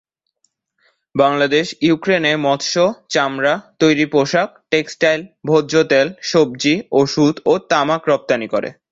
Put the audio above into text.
বাংলাদেশ ইউক্রেনে মৎস্য, চামড়া, তৈরি পোশাক, টেক্সটাইল, ভোজ্য তেল, সবজি, ওষুধ ও তামাক রপ্তানি করে।